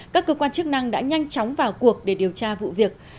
các cơ quan chức năng đã nhanh chóng vào cuộc để điều tra vụ việc